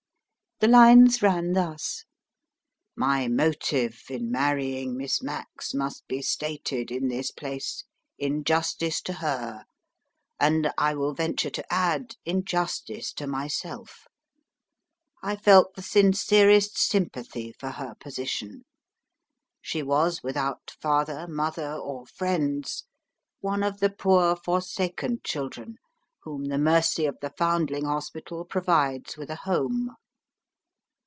The lines ran thus: "My motive in marrying Miss Max must be stated in this place, in justice to her, and, I will venture to add, in justice to myself. I felt the sincerest sympathy for her position. She was without father, mother, or friends, one of the poor forsaken children whom the mercy of the foundling hospital provides with a home.